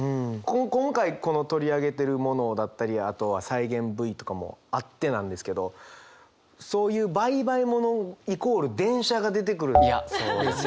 今回この取り上げてるものだったりあとは再現Ｖとかもあってなんですけどそういうバイバイものイコール電車が出てくるんですよね。